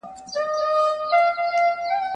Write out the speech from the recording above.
هر کمال زوال لري.